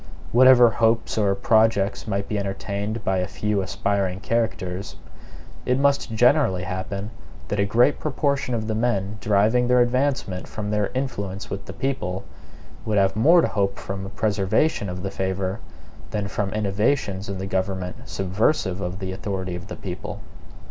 Whatever hopes or projects might be entertained by a few aspiring characters, it must generally happen that a great proportion of the men deriving their advancement from their influence with the people, would have more to hope from a preservation of the favor, than from innovations in the government subversive of the authority of the people.